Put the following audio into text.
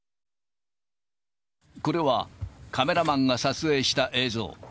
これは、カメラマンが撮影した映像。